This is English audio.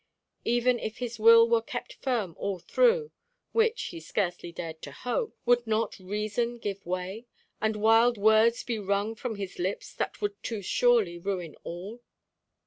Even if his will were kept firm all through (which he scarcely dared to hope), would not reason give way, and wild words be wrung from his lips that would too surely ruin all!